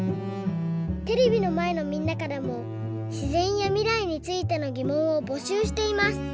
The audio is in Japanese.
テレビのまえのみんなからもしぜんやみらいについてのぎもんをぼしゅうしています。